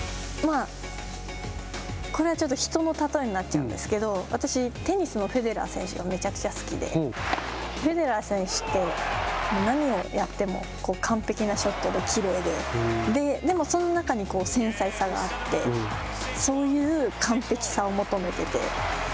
これはちょっと人の例えになっちゃうんですけど、私、テニスのフェデラー選手がめちゃくちゃ好きでフェデラー選手って、何をやっても完璧なショットできれいででも、その中に繊細さがあって、そういう完璧さを求めてて。